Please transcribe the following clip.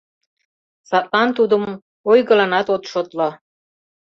Садлан тудым ойгыланат от шотло.